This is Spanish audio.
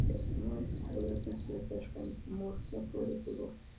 Se formó en las categorías inferiores del Real Murcia Club de Fútbol.